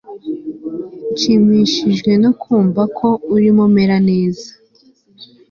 Nshimishijwe no kumva ko urimo umera neza